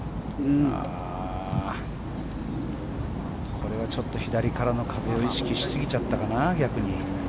これはちょっと左からの風を意識しすぎちゃったかな、逆に。